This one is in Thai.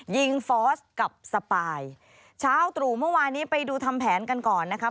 ฟอสกับสปายเช้าตรู่เมื่อวานนี้ไปดูทำแผนกันก่อนนะครับ